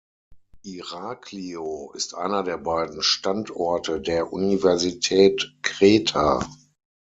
Iraklio ist einer der beiden Standorte der Universität Kreta.